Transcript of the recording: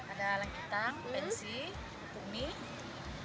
ada langkitang pensi bumi